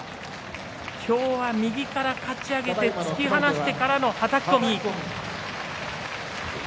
今日は右からかち上げて突き放してからの、はたき込み。